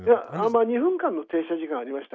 まあ２分間の停車時間ありました。